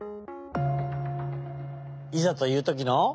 いざというときの。